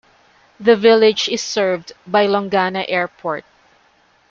The village is served by Longana Airport.